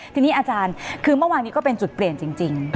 ทีนี้อาจารย์คือเมื่อวานนี้ก็เป็นจุดเปลี่ยนจริง